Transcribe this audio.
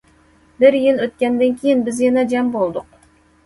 بىر يىل ئۆتكەندىن كېيىن، بىز يەنە جەم بولدۇق.